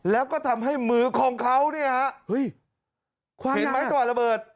แล้วก็ทำให้มือของเขาเห็นไหมตอนระเบิด